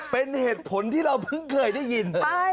เป็นเหตุผลที่เราเพิ่งเคยได้ยิน